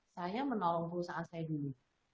saya menolong perusahaan saya dulu